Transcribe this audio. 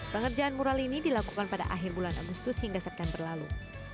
pengerjaan mural ini dilakukan pada akhir bulan agustus hingga september lalu